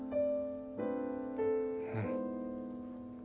うん。